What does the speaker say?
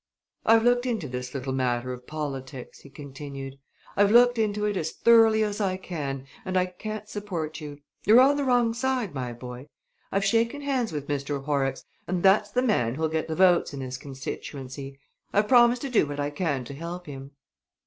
"I've looked into this little matter of politics," he continued; "I've looked into it as thoroughly as I can and I can't support you. You're on the wrong side, my boy! I've shaken hands with Mr. Horrocks, and that's the man who'll get the votes in this constituency. I've promised to do what I can to help him."